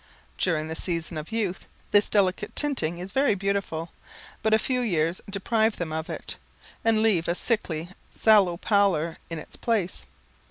During the season of youth this delicate tinting is very beautiful, but a few years deprive them of it, and leave a sickly, sallow pallor in its place.